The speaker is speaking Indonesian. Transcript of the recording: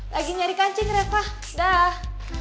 lagi nyari kancing refah dah